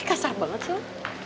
kasar banget sih lo